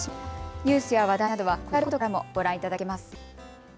ニュースや話題などは、こちらのＱＲコードからもご覧いただけます。